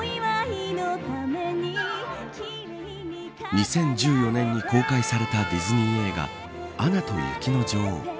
２０１４年に公開されたディズニー映画アナと雪の女王。